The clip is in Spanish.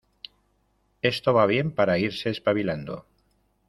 Esto va bien para irse espabilando.